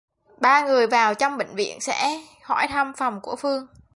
ba người vàotrong bệnh viện sẽ hỏi thăm phòng của Phương